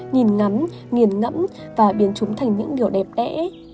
nhìn ngắm nghiền ngẫm và biến chúng thành những điều đẹp đẽ